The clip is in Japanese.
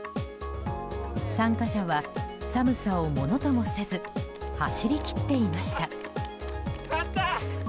参加者は、寒さをものともせず走り切っていました。